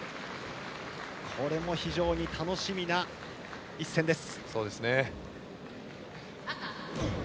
これも非常に楽しみな一戦です。